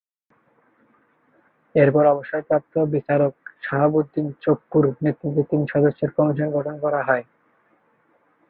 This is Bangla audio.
এরপর অবসরপ্রাপ্ত বিচারক শাহাবুদ্দিন চুপ্পুর নেতৃত্বে তিন সদস্যের কমিশন গঠন করা হয়।